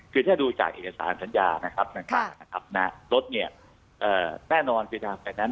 คือถ้าดูจากเอกสารสัญญานะครับรถเนี่ยแน่นอนจะทำแบบนั้น